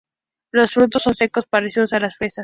Los frutos son secos, parecidos a las fresas.